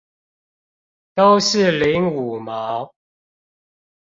都是領五毛